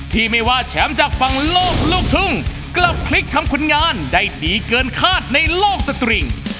ที่ไม่ว่าแชมป์จากฝั่งโลกลูกทุ่งกลับพลิกทำผลงานได้ดีเกินคาดในโลกสตริง